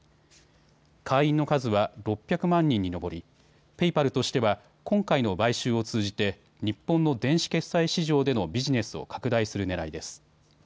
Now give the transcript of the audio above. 会員の数は６００万人に上り、ペイパルとしては今回の買収を通じて日本の電子決済市場でのビジネスを拡大するねらいです。